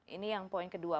ini yang poin kedua